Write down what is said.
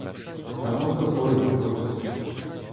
Само собою - трус.